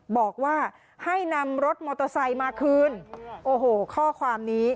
บอกว่าให้นำรถมอเตอร์ไซค์มาคืนโอ้โหข้อความนี้